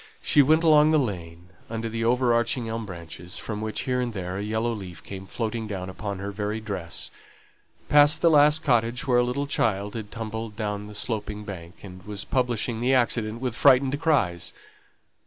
She went along the lane under the over arching elm branches, from which, here and there, a yellow leaf came floating down upon her very dress; past the last cottage where a little child had tumbled down the sloping bank, and was publishing the accident with frightened cries.